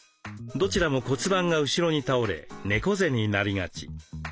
どちらも骨盤が後ろに倒れ猫背になりがち。